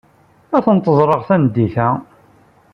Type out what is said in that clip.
Ad tent-ẓreɣ tameddit-a.